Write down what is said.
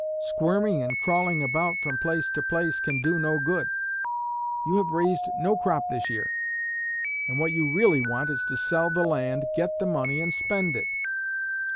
Squirming and crawling about from place to place can do no good. You have raised no crop this year; and what you really want is to sell the land, get the money and spend it.